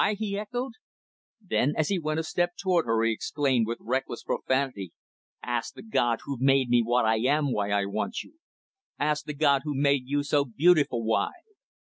he echoed. Then, as he went a step toward her, he exclaimed, with reckless profanity, "Ask the God who made me what I am, why I want you! Ask the God who made you so beautiful, why!"